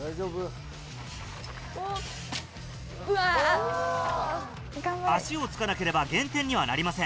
・おっうわぁ・足をつかなければ減点にはなりません。